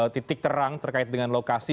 titik terang terkait dengan lokasi